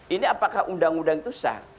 ini apakah undang undang itu sah